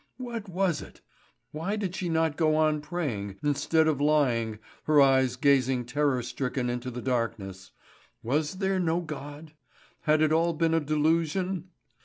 What was it! Why did she not go on praying, instead of lying, her eyes gazing terror stricken into the darkness. Was there no God? Had it all been a delusion?